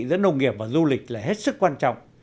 giữa nông nghiệp và du lịch là hết sức quan trọng